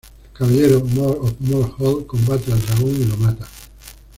El caballero More of More Hall combate al dragón y lo mata.